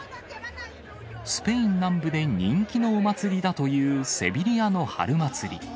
スペイン南部で人気のお祭りだという、セビリアの春祭り。